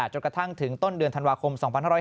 จนกระทั่งถึงต้นเดือนธันวาคม๒๕๕๙